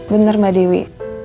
benar mbak dewi